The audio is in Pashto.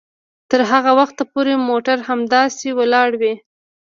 تر هغه وخته پورې موټر همداسې ولاړ وي